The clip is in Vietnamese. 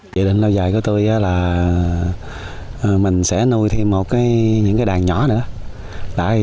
dự định lâu dài của tôi là mình sẽ nuôi thêm một cái những cái đàn nhỏ nữa